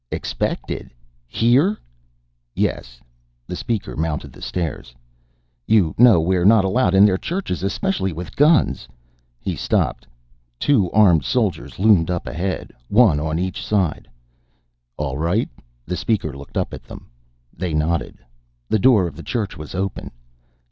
"Expected? Here?" "Yes." The Speaker mounted the stairs. "You know we're not allowed in their Churches, especially with guns!" He stopped. Two armed soldiers loomed up ahead, one on each side. "All right?" The Speaker looked up at them. They nodded. The door of the Church was open.